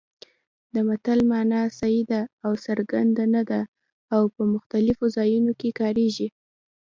د متل مانا سیده او څرګنده نه ده او په مختلفو ځایونو کې کارېږي